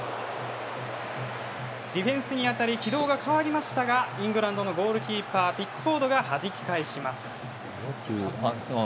ディフェンスに当たり軌道が変わりましたがイングランドのゴールキーパーピックフォードがはじき返します。